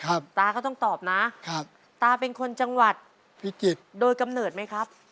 ตาก็ต้องตอบนะครับตาเป็นคนจังหวัดพิจิตรโดยกำเนิดไหมครับ